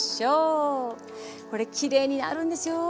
これきれいになるんですよ。